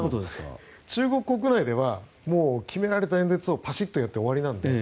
中国国内では決められた演説をパシッと言って終わりなので。